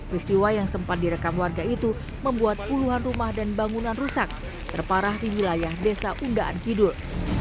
peristiwa yang sempat direkam warga itu membuat puluhan rumah dan bangunan rusak terparah di wilayah desa unggahan kidul